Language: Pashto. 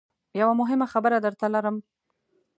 یوه مهمه خبره درته لرم .